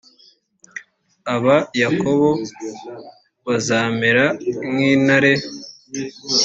aba yakobo bazamera nk intare